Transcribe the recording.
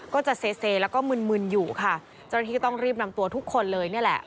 ก็จะเซเซแล้วก็มึนมึนอยู่ค่ะเจ้าหน้าที่ก็ต้องรีบนำตัวทุกคนเลยนี่แหละ